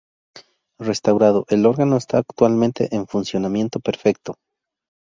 Restaurado, el órgano está actualmente en funcionamiento perfecto.